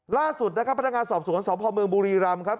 ล่าสุดนะครับพนักงานสอบสวนสพเมืองบุรีรำครับ